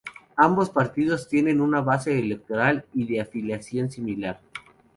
Ambos partidos tienen una base electoral y de afiliación similar.